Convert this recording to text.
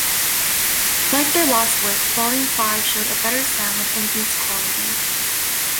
Like their last work, "Volume Five" showed a better sound and beats quality.